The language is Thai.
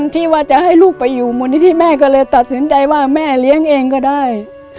ที่ว่าจะให้ลูกไปอยู่มูลนิธิแม่ก็เลยตัดสินใจว่าแม่เลี้ยงเองก็ได้